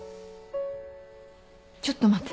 ちょっと待って。